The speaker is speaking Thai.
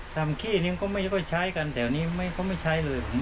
ทำขี้แบบนี้ก็ไม่ได้ค่อยใช้กันเตอร์นี้ก็ไม่ใช้เลย